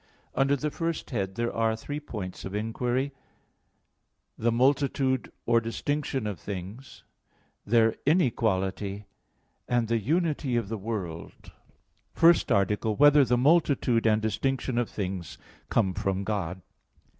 Under the first head, there are three points of inquiry: (1) The multitude or distinction of things. (2) Their inequality. (3) The unity of the world. _______________________ FIRST ARTICLE [I, Q. 47, Art. 1] Whether the Multitude and Distinction of Things Come from God?